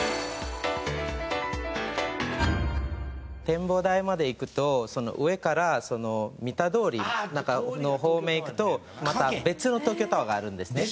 展望台まで行くと上から三田通りの方面に行くとまた別の東京タワーがあるんですね。